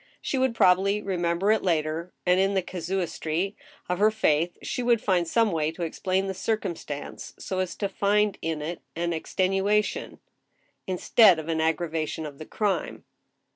She would probably remember it later, and in the* casuistry of her faith she would find some way to explain the circumstance so as to find in it an extenuation, instead of an aggravation of the crime.